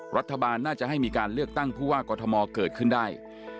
รัฐบาลน่าจะให้มีการเลือกตั้งผู้ว่ากอทมเกิดขึ้นได้